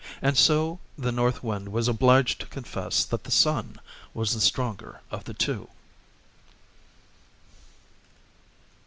And so the North Wind was obliged to confess that the Sun was the stronger of the two.